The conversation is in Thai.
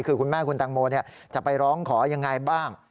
คือคุณแม่คุณแตงโมจะไปร้องขอยังไงบ้าง